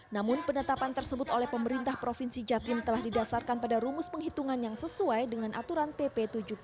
namun penetapan tersebut oleh pemerintah provinsi jatim telah didasarkan pada rumus penghitungan yang sesuai dengan aturan pp tujuh puluh